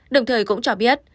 đồng thời cũng cho biết